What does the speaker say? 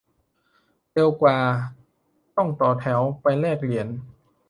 เร็วกว่าการต้องต่อแถวไปแลกเหรียญ